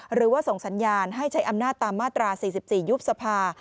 หรือว่าส่งสัญญาณให้ใช้อำนาจตามมาตรา๔๔ยุบสภา